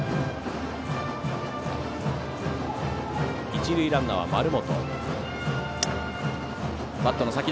一塁ランナーは丸本。